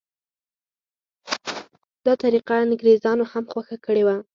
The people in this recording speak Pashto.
دا طریقه انګریزانو هم خوښه کړې وه.